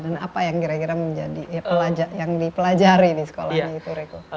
dan apa yang kira kira menjadi pelajar yang dipelajari di sekolah itu